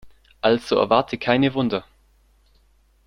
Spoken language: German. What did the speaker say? Also erwarte keine Wunder.